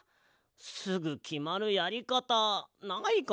すぐきまるやりかたないかな？